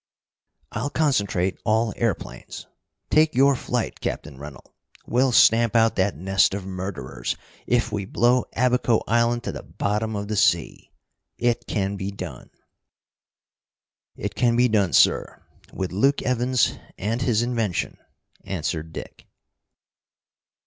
"I'll concentrate all airplanes. Take your flight, Captain Rennell. We'll stamp out that nest of murderers if we blow Abaco Island to the bottom of the sea. It can be done!" "It can be done, sir with Luke Evans and his invention," answered Dick.